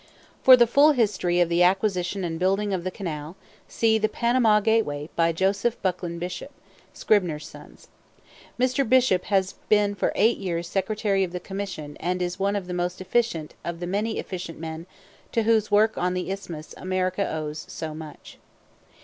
For the full history of the acquisition and building of the canal see "The Panama Gateway," by Joseph Bucklin Bishop (Scribner's Sons). Mr. Bishop has been for eight years secretary of the commission and is one of the most efficient of the many efficient men to whose work on the Isthmus America owes so much.